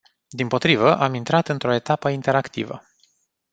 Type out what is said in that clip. Dimpotrivă, am intrat într-o etapă interactivă.